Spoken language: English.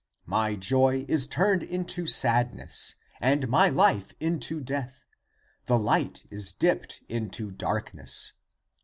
My joy is turned into sad ness, and my life into death, the Hght is dipped into darkness.